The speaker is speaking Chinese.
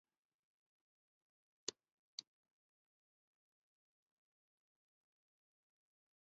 白颊山鹧鸪为雉科山鹧鸪属的鸟类。